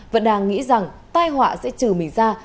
vẫn đang nghĩ rằng tai họa sẽ trừ mình ra